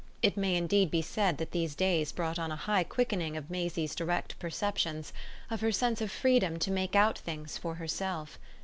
It may indeed be said that these days brought on a high quickening of Maisie's direct perceptions, of her sense of freedom to make out things for herself.